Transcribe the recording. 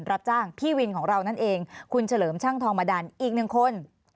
รับจ้างพี่วินของเรานั่นเองคุณเฉลิมช่างทองมาดันอีกหนึ่งคน